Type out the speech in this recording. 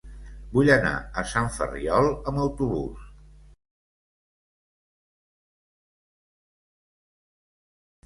Vull anar a Sant Ferriol amb autobús.